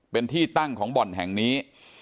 เป็นที่ตั้งของบ่อนแห่งนี้